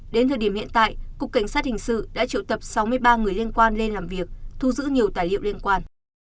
đến thời điểm hiện tại cục cảnh sát hình sự đã triệu tập sáu mươi ba người liên quan lên làm việc thu giữ nhiều tài liệu liên quan